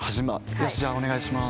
「よしじゃあお願いします」。